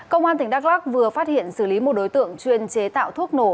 công an tỉnh đắk lắc vừa phát hiện xử lý một đối tượng chuyên chế tạo thuốc nổ